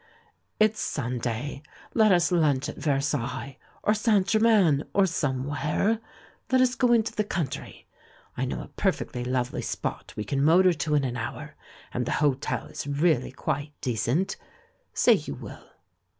"It's Sunday — ^let us lunch at Versailles, or Saint Germain, or somewhere — let us go into the country. I know a perfectly lovely spot we can motor to in an hour, and the hotel is really quite decent. Say you will!"